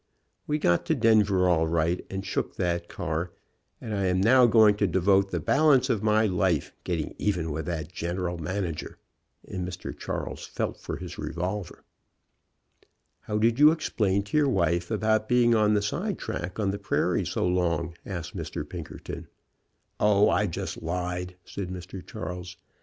We got to Denver all right and shook that car, and I am now going to devote the balance of my life getting even with that general manager," and Mr. Charles felt for his revolver. "How did you explain to your wife about being on the sidetrack on the prairie so long?" asked Mr. Pinkerton. 60 CLOCK WATCHER AND WHISTLE JUMPER "O, I just lied," said Mr. Charles.